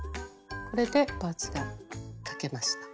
これでパーツが描けました。